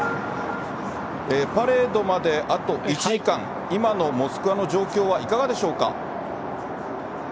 パレードまであと１時間、今のモスクワの状況はいかがでしょうか。